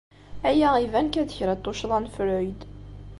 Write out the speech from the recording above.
Aya iban kan d kra n tuccḍa n Freud.